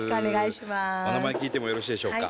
お名前聞いてもよろしいでしょうか。